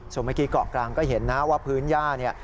ส่วนเมื่อกี้เกาะกลางก็เห็นนะว่าพื้นย่าเนี่ย